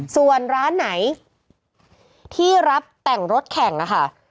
ส่วนร้านไหนที่รับแต่งรถแข่งนะคะ